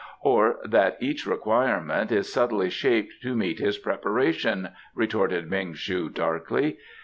"Or that each requirement is subtly shaped to meet his preparation," retorted Ming shu darkly.